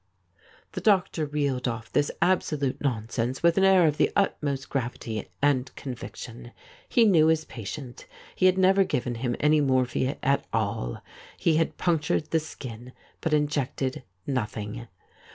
The doctor reeled off this absolute nonsense with an air of the utmost gravity and conviction. He knew his patient. He had never given him any morphia at all — he had punctured the skin, but injected nothing.